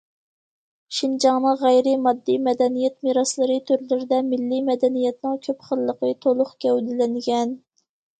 شىنجاڭنىڭ غەيرىي ماددىي مەدەنىيەت مىراسلىرى تۈرلىرىدە مىللىي مەدەنىيەتنىڭ كۆپ خىللىقى تولۇق گەۋدىلەنگەن.